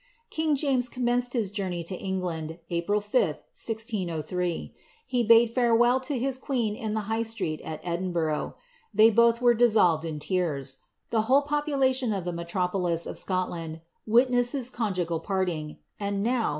King James commenced his journey to England, April 5. 1603. Ik bade farewell to his queen in the high sireci ai Edinburgh.' Thev ho'..i were dissolved in tears. The whole population of ihe metropolis h Scotland witnessed this conjiijral parting; and now.